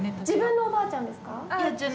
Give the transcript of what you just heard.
自分のおばあちゃんですか？